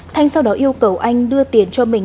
thanh sau đó yêu cầu anh đưa tiền cho mình